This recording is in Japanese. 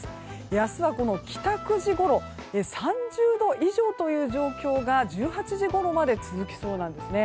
明日は、帰宅時ごろ３０度以上という状況が１８時ごろまで続きそうなんですね。